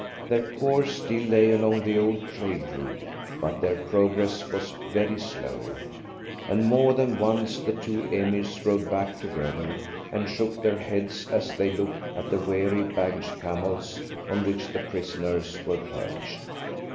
Their course still lay along the old trade route, but their progress was very slow, and more than once the two Emirs rode back together, and shook their heads as they looked at the weary baggage camels on which the prisoners were perched.